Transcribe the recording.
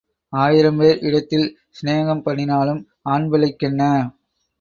ஆயிரம் பேர் இடத்தில் சிநேகம் பண்ணினாலும் ஆண்பிள்ளைகளுக்கென்ன?